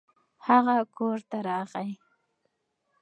هغه کور ته راغی.